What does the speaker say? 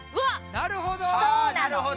なるほど！はあなるほど。